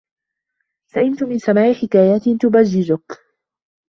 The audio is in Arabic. سئمت من سماع حكايات تبجحك.